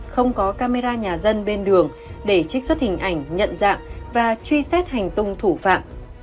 không có camera nhà dân bên đường để trích xuất hình ảnh nhận dạng và truy xét hành tung thủ phạm